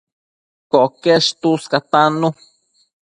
Coquesh tuscatannu